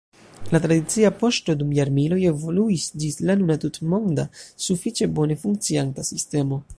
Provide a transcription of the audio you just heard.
La tradicia poŝto dum jarmiloj evoluis ĝis la nuna tutmonda, sufiĉe bone funkcianta sistemo.